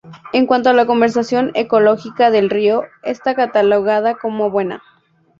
En cuanto a la conservación ecológica del río, está catalogada como buena.